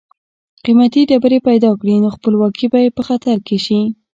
قیمتي ډبرې پیدا کړي نو خپلواکي به یې په خطر کې شي.